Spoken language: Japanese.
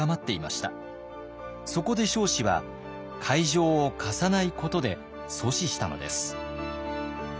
そこで彰子は会場を貸さないことで阻止したのです。